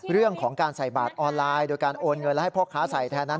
เรื่องของการใส่บาทออนไลน์โดยการโอนเงินและให้พ่อค้าใส่แทนนั้น